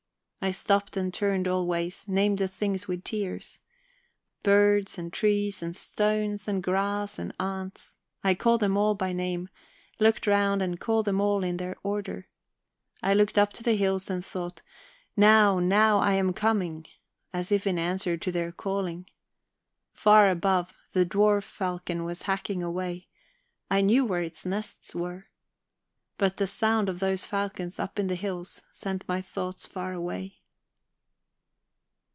I stopped and turned all ways, named the things with tears. Birds and trees and stones and grass and ants, I called them all by name, looked round and called them all in their order. I looked up to the hills and thought: Now, now I am coming, as if in answer to their calling. Far above, the dwarf falcon was hacking away I knew where its nests were. But the sound of those falcons up in the hills sent my thoughts far away.